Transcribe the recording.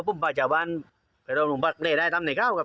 ผมพาจอบบ้านไปโรงพรรคได้ทำในคราวครับ